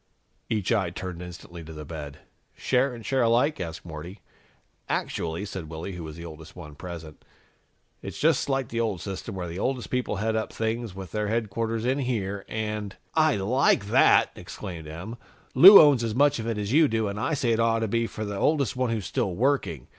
Each eye turned instantly to the bed. "Share and share alike?" asked Morty. "Actually," said Willy, who was the oldest one present, "it's just like the old system, where the oldest people head up things with their headquarters in here and " "I like that!" exclaimed Em. "Lou owns as much of it as you do, and I say it ought to be for the oldest one who's still working.